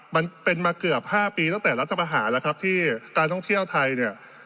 มันเป็นมาเกือบ๕ปีตั้งแต่รัฐประหารแล้วครับที่การท่องเที่ยวไทยเนี่ย